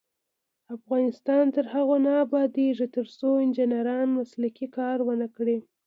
افغانستان تر هغو نه ابادیږي، ترڅو انجنیران مسلکي کار ونکړي.